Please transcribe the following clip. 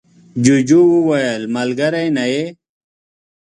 جوجو وویل ملگری نه یې.